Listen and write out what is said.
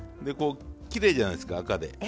でこうきれいじゃないですか赤で。